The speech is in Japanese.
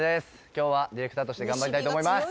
今日はディレクターとして頑張りたいと思います